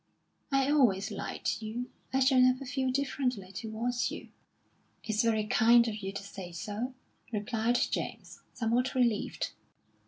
"I always liked you. I shall never feel differently towards you." "It's very kind of you to say so," replied James, somewhat relieved.